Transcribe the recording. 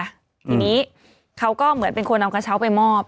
ทีนี้เขาก็เหมือนเป็นคนเอากระเช้าไปมอบ